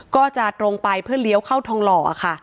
ก็จะตรงไปเพื่อเลี้ยวเข้าทองหล่อค่ะ